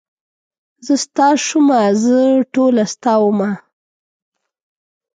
زه ستا شومه زه ټوله ستا ومه.